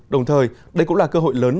đồng thời đây cũng là cơ hội lớn